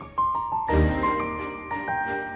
terima kasih pak